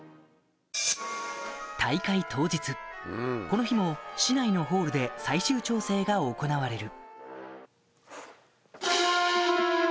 この日も市内のホールで最終調整が行われる